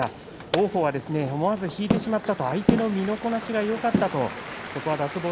王鵬は思わず引いてしまった相手の身のこなしがよかった。